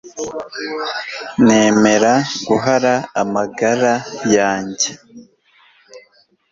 nemera guhara amagara yanjye